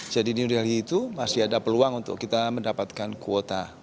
jadi di new delhi itu masih ada peluang untuk kita mendapatkan kuota